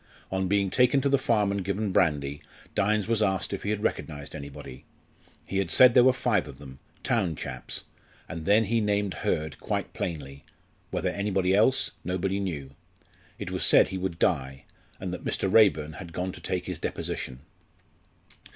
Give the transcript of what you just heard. On being taken to the farm and given brandy, Dynes was asked if he had recognised anybody. He had said there were five of them, "town chaps"; and then he had named Hurd quite plainly whether anybody else, nobody knew. It was said he would die, and that Mr. Raeburn had gone to take his deposition.